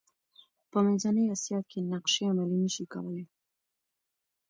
په منځنۍ اسیا کې نقشې عملي نه شي کولای.